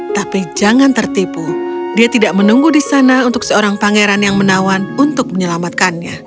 tapi jangan tertipu dia tidak menunggu di sana untuk seorang pangeran yang menawan untuk menyelamatkannya